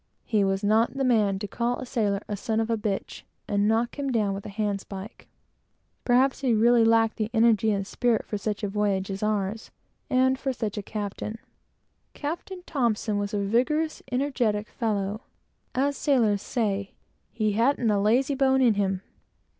He was not the man to call a sailor a "son of a b h," and knock him down with a handspike. He wanted the energy and spirit for such a voyage as ours, and for such a captain. Captain T was a vigorous, energetic fellow. As sailors say, "he hadn't a lazy bone in him."